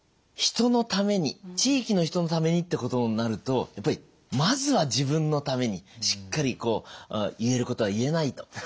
人のために地域の人のためにってことになるとやっぱりまずは自分のためにしっかり言えることは言えないと。